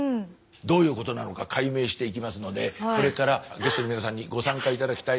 どういうことなのか解明していきますのでこれからゲストの皆さんにご参加頂きたいものがございます。